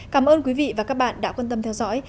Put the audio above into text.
cảm ơn quý vị và các bạn đã quan tâm theo dõi